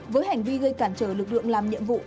với hành vi gây cản trở lực lượng làm nhiệm vụ